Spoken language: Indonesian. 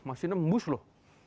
masih nembus loh